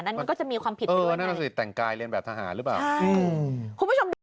นั้นก็จะมีความผิดด้วย